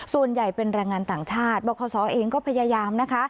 ส่วนใหญ่เป็นแรงงานต่างชาติบคศเองก็พยายามนะคะ